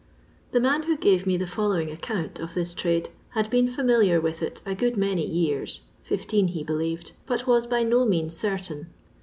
The man who gave me the following account of this trade had been familiar with it a good many years, fifteen he believed, but was by no means certain.